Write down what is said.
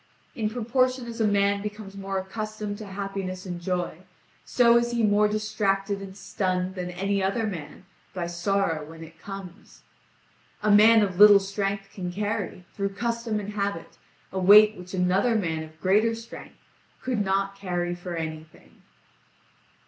In proportion as a man becomes more accustomed to happiness and joy, so is he more distracted and stunned than any other man by sorrow when it comes. A man of little strength can carry, through custom and habit, a weight which another man of greater strength could not carry for anything."